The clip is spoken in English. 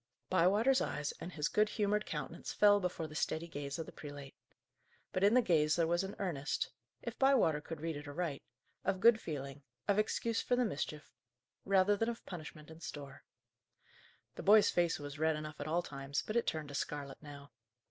Bywater's eyes and his good humoured countenance fell before the steady gaze of the prelate. But in the gaze there was an earnest if Bywater could read it aright of good feeling, of excuse for the mischief, rather than of punishment in store. The boy's face was red enough at all times, but it turned to scarlet now.